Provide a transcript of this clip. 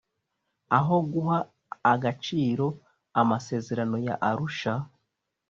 aho guha agaciro amasezerano ya Arusha